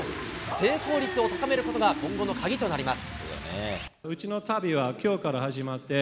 成功率を高めることが今後の鍵となります。